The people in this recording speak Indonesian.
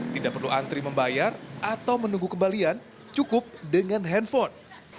tidak perlu antri membayar atau menunggu kembalian cukup dengan handphone